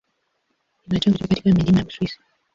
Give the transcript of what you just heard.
Ina chanzo chake katika milima ya Uswisi.